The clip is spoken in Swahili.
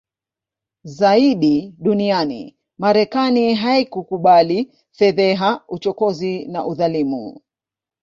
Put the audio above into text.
zaidi duniani Marekani haikukubali fedheha uchokozi na udhalimu